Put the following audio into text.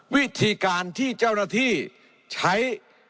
วิธีการที่เจ้าหน้าที่ใช้